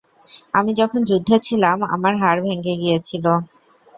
আমি যখন যুদ্ধে ছিলাম আমার হাড় ভেঙ্গে গিয়েছিল।